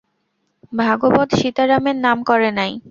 ভাগবত সীতারামের নাম করে নাই।